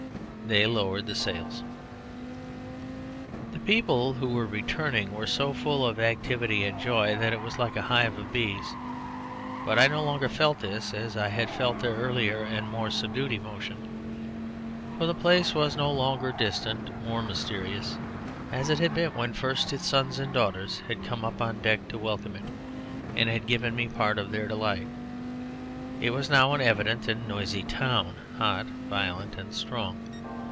They lowered the sails. The people who were returning were so full of activity and joy that it was like a hive of bees; but I no longer felt this as I had felt their earlier and more subdued emotion, for the place was no longer distant or mysterious as it had been when first its sons and daughters had come up on deck to welcome it and had given me part of their delight. It was now an evident and noisy town; hot, violent, and strong.